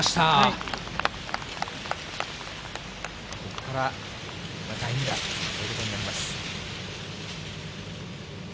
ここから第２打ということになります。